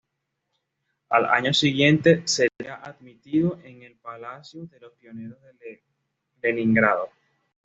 Al año siguiente sería admitido en el Palacio de los Pioneros de Leningrado.